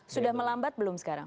sudah melambat belum sekarang